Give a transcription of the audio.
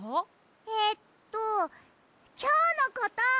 えっときょうのこと！